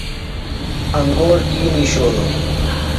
انگور کی نِشولوۡ؟